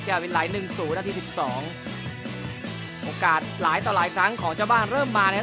เป็นไหลหนึ่งสู่นาทีสิบสองโอกาสหลายต่อหลายครั้งของชาวบ้านเริ่มมานะครับ